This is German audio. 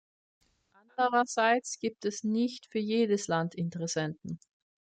Andererseits gibt es nicht für jedes Land Interessenten.